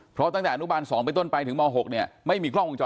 เพราะตั้งแต่อนุบัน๒ไปต้นไป